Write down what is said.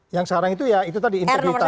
yang sekarang itu ya itu tadi integritas